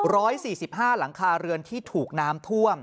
ร้อยสี่สิบห้าหลังคาเรือนที่ถูกน้ำท่วม